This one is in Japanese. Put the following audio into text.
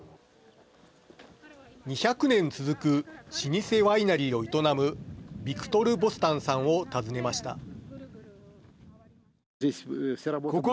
２００年続く老舗ワイナリーを営むビクトル・ボスタンさんを訪ねました。